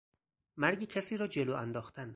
مرگ کسی را جلو انداختن